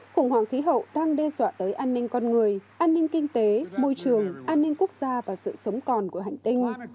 khủng hoảng khí hậu đang đe dọa tới an ninh con người an ninh kinh tế môi trường an ninh quốc gia và sự sống còn của hành tinh